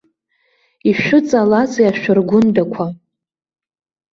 Ишәыҵалазеи, ашәаргәындақәа?